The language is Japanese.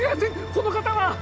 この方は？